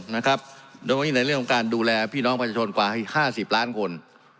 นะครับโดยวันนี้ในเรื่องของการดูแลพี่น้องประชนกว่าห้าสิบล้านคน